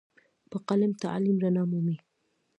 په قلم تعلیم رڼا مومي.